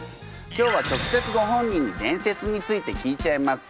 今日は直接ご本人に伝説について聞いちゃいます。